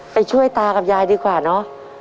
ไปช่วยตากับยายดีกว่าเนอะ